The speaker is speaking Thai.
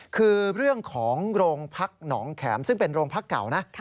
คือเรื่องของโรงพักหนองแขมซึ่งเป็นโรงพักเก่านะ